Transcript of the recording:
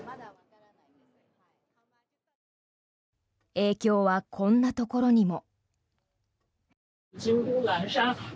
影響は、こんなところにも。